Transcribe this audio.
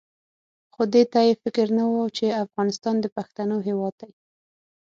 خو دې ته یې فکر نه وو چې افغانستان د پښتنو هېواد دی.